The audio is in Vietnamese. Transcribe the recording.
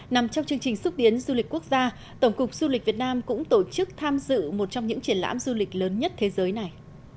nằm trong chương trình xúc tiến du lịch quốc gia tổng cục du lịch việt nam cũng tổ chức tham dự một trong những triển lãm du lịch lớn nhất thế giới này